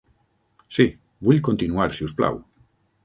Sí, vull continuar si us plau.